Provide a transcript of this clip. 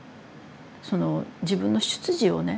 その自分の出自をね